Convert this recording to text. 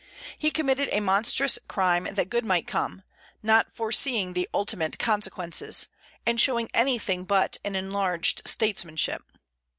He committed a monstrous crime that good might come, not foreseeing the ultimate consequences, and showing anything but an enlarged statesmanship.